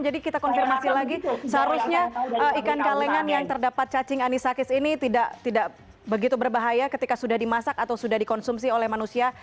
jadi kita konfirmasi lagi seharusnya ikan kalengan yang terdapat cacing anisakis ini tidak begitu berbahaya ketika sudah dimasak atau sudah dikonsumsi oleh manusia